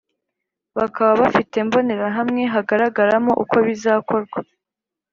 Bakaba bafite mbonerahamwe hagaragaramo uko bizakorwa